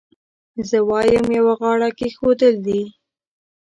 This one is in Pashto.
زه وایم یو غاړه کېښودل دي.